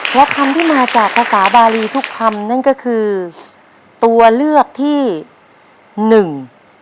เพราะคำที่มาจากภาษาบารีทุกคำนั่นก็คือตัวเลือกที่หนึ่ง